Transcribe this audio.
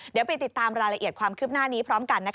เดี๋ยวไปติดตามรายละเอียดความคืบหน้านี้พร้อมกัน